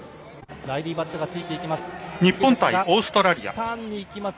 ライリ・バットがついていきます。